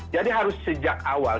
jadi harus sejak awal